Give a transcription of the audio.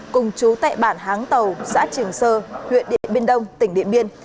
cùng chú tại bản háng tàu xã trường sơ huyện điện biên đông tỉnh điện biên